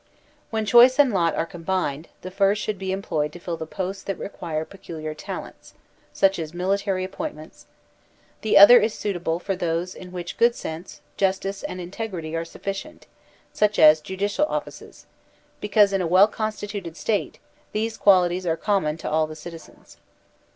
When choice and lot are combined, the first should be employed to fill the posts that require peculiar talents, such as military appointments; the other is suitable for those in which good sense, justice and integrity are suf ficient, such as judicial offices, because, in a well consti tuted State, these qualities are common to all the citizens.